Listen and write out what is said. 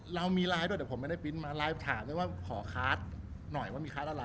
เรามีลายด้วยแต่ผมไม่ได้ปริ้นมาลายถามเลยว่าขอคาร์ดหน่อยว่ามีคาร์ดอะไร